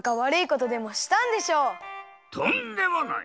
とんでもない！